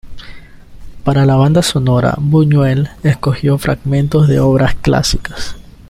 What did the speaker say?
Para la banda sonora, Buñuel escogió fragmentos de obras clásicas.